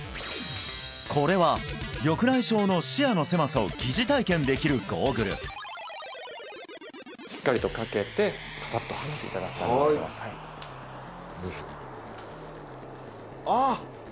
これは緑内障の視野の狭さを疑似体験できるゴーグルしっかりと掛けてカパッとはめていただくはいよいしょああ